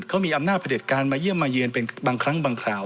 เขามีอำนาจประเด็จการมาเยี่ยมมาเยือนเป็นบางครั้งบางคราว